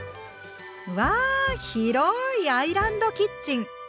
うわ広いアイランドキッチン！